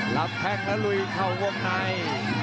รับแพงและลุยเข้ากงไหน